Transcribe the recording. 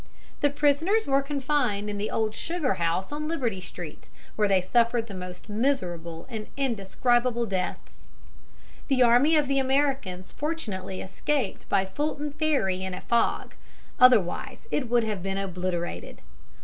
The prisoners were confined in the old sugar house on Liberty Street, where they suffered the most miserable and indescribable deaths. The army of the Americans fortunately escaped by Fulton Ferry in a fog, otherwise it would have been obliterated.